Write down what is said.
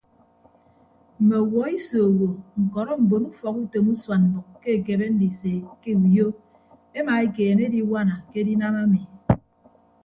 Mme ọwuọ iso owo ñkọrọ mbon ufọkutom usuan mbʌk ke ekebe ndise ke uyo emaekeene ediwana ke edinam ami.